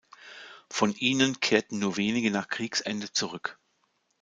Von ihnen kehrten nur wenige nach Kriegsende zurück.